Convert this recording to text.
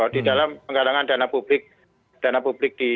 di dalam penggalangan dana publik